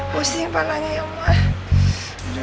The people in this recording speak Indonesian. pusing palanya ya mak